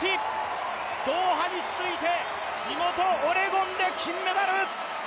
ドーハに続いて、地元オレゴンで金メダル！